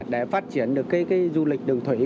để phát triển được cái du lịch đường thủy